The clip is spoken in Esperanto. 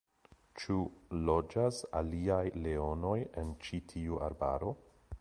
Ĉu loĝas aliaj leonoj en ĉi tiu arbaro?